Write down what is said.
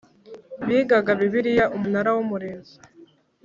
Bigaga bibiliya umunara w umurinzi